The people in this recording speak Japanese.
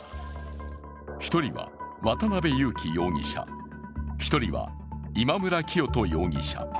１人は渡辺優樹容疑者、１人は今村磨人容疑者。